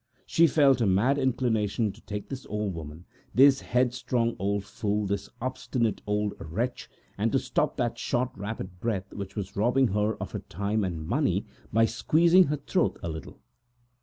She felt a mad inclination to choke this old ass, this headstrong old fool, this obstinate old wretch—to stop that short, rapid breath, which was robbing her of her time and money, by squeezing her throat a little.